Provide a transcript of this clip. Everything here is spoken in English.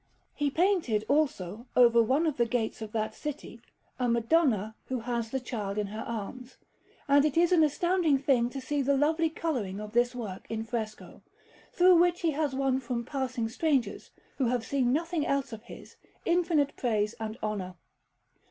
He painted, also, over one of the gates of that city, a Madonna who has the Child in her arms; and it is an astounding thing to see the lovely colouring of this work in fresco, through which he has won from passing strangers, who have seen nothing else of his, infinite praise and honour.